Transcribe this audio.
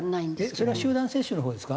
それは集団接種のほうですか？